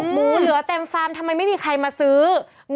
หมูเหลือเต็มฟาร์มทำไมไม่มีใครมาซื้อ